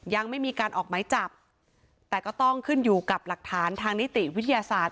ยังไม่มีการออกไม้จับแต่ก็ต้องขึ้นอยู่กับหลักฐานทางนิติวิทยาศาสตร์